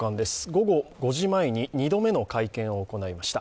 午後５時前に２度目の会見を行いました。